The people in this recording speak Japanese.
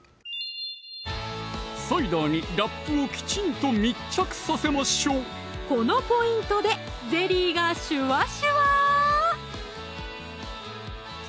サイダーにラップをきちんと密着させましょうこのポイントでゼリーがシュワシュワー！